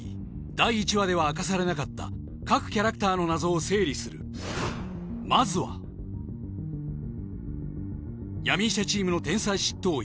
第１話では明かされなかった各キャラクターの謎を整理するまずは闇医者チームの天才執刀医